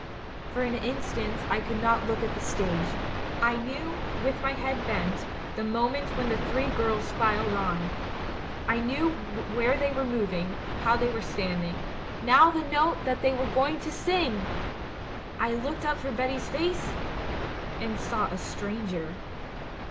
For an instant I could not look at the stage. I knew, with my head bent, the moment when the three girls filed on; I knew where they were moving, how they were standing — now the note that they were going to sing! I looked up for Betty's face — and saw a stranger.